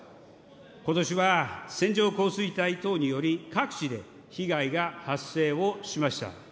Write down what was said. ことしは線状降水帯等により各地で被害が発生をしました。